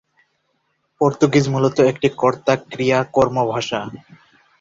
Portuguese মূলত একটি কর্তা-ক্রিয়া-কর্ম ভাষা।